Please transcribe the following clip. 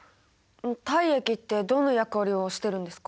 体液ってどんな役割をしてるんですか？